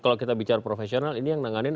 kalau kita bicara profesional ini yang nanganin